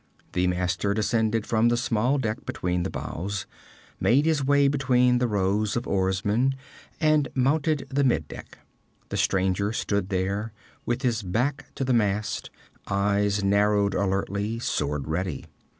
The master descended from the small deck between the bows, made his way between the rows of oarsmen, and mounted the mid deck. The stranger stood there with his back to the mast, eyes narrowed alertly, sword ready.